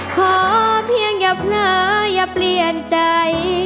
ขอเพียงอย่าเผลออย่าเปลี่ยนใจ